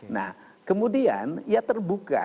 nah kemudian ya terbuka